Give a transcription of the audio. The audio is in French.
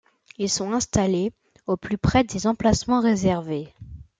Ils sont installés au plus près des emplacements réservés.